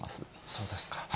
そうですか。